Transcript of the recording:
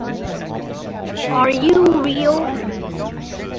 Nyrond is ruled by King Lynwerd, who appoints all lesser officials.